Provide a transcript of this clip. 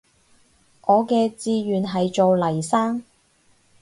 我嘅志願係做黎生